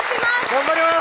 頑張ります！